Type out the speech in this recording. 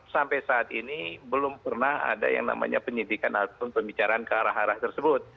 sampai saat ini belum pernah ada yang namanya penyidikan ataupun pembicaraan ke arah arah tersebut